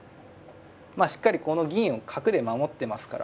まあしっかりこの銀を角で守ってますから。